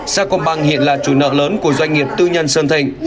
sa công băng hiện là chủ nợ lớn của doanh nghiệp tư nhân sơn thịnh